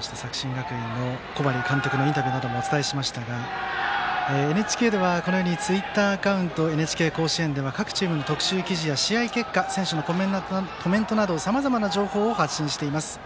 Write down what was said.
作新学院の小針監督のインタビューなどもお伝えしましたがＮＨＫのツイッターアカウント「ＮＨＫ甲子園」では各チームの特集記事や試合結果選手のコメントなどさまざまな情報を発信しています。